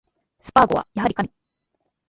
スパーゴはやはり神